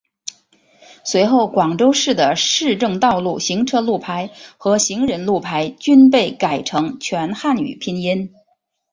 随后广州市的市政道路行车路牌和行人路牌均被改成全汉语拼音。